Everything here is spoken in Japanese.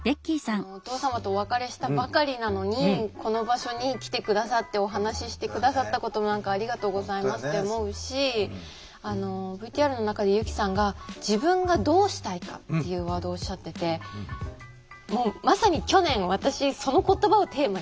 お父様とお別れしたばかりなのにこの場所に来て下さってお話しして下さったこともありがとうございますって思うしＶＴＲの中で由希さんが「自分がどうしたいか」っていうワードをおっしゃっててもうまさに去年私その言葉をテーマに生き始めたんですね。